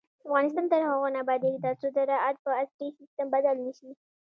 افغانستان تر هغو نه ابادیږي، ترڅو زراعت په عصري سیستم بدل نشي.